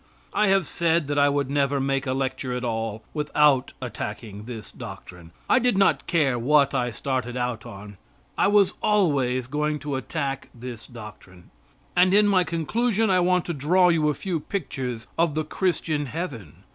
I have said that I would never make a lecture at all without attacking this doctrine. I did not care what I started out on. I was always going to attack this doctrine. And in my conclusion I want to draw you a few pictures of the Christian heaven.